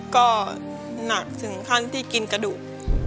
ก็หนักถึงขั้นที่กินกระดูก